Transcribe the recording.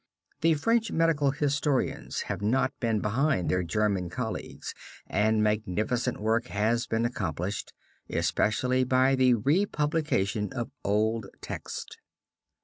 The French medical historians have not been behind their German colleagues and magnificent work has been accomplished, especially by the republication of old texts.